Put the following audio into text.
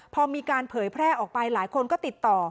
พอมีการเผยแพร่ออกไปหลายคนก็ติดต่อ